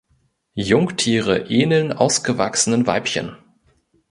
Jungtiere ähneln ausgewachsenen Weibchen.